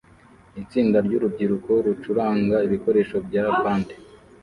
Itsinda ryurubyiruko rucuranga ibikoresho bya bande